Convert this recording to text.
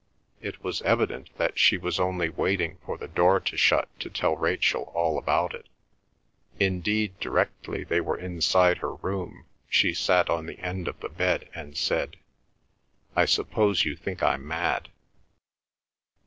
It was evident that she was only waiting for the door to shut to tell Rachel all about it. Indeed, directly they were inside her room, she sat on the end of the bed and said, "I suppose you think I'm mad?"